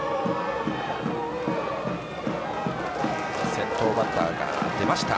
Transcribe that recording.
先頭バッターが出ました。